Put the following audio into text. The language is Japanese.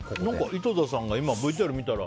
井戸田さんがさっきＶＴＲ見たら。